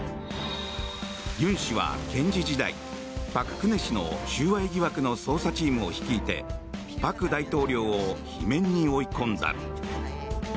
尹氏は検事時代朴槿惠氏の収賄疑惑の捜査チームを率いて朴大統領を罷免に追い込んだ。